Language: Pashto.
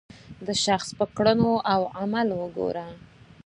د شخص په کړنو او عمل وګوره.